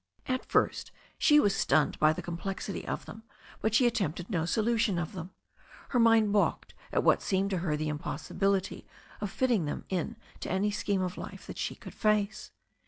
At first she was stunned by the complexity of them, but she attempted no solution of them. Her mind balked at what seemed to her the impossibility of fitting them in to any scheme of life that she could face.